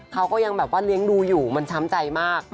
เขาก็ยังแบบว่าเลี้ยงดูอยู่มันช้ำใจมาก